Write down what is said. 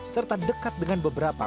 serta dekat dengan beberapa